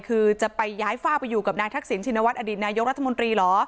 คือจะไปย้ายฝ้าไปอยู่กับนายทักษิณชินวัฒนอดีตนายกรัฐมนตรีเหรอ